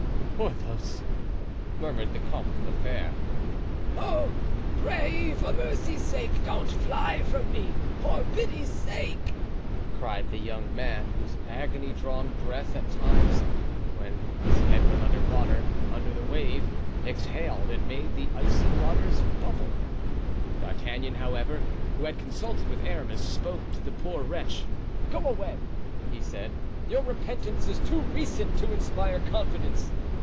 Porthos!" murmured the Comte de la Fere. "Oh, pray, for mercy's sake, don't fly from me. For pity's sake!" cried the young man, whose agony drawn breath at times, when his head went under water, under the wave, exhaled and made the icy waters bubble. D'Artagnan, however, who had consulted with Aramis, spoke to the poor wretch. "Go away," he said; "your repentance is too recent to inspire confidence.